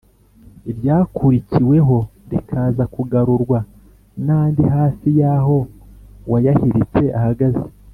iryakurikiweho rikaza kugarurwa n’andi hafi y’aho uwayahiritse ahagaze.